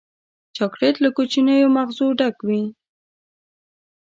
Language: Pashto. چاکلېټ له کوچنیو مغزونو ډک وي.